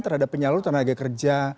terhadap penyalur tenaga kerja